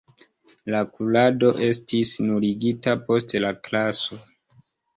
La kurado estis nuligita post la kraŝo.